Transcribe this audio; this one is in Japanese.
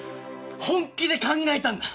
本気で考えたんだ！